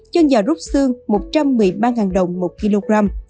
chân gà rút xương một trăm một mươi ba đồng một kg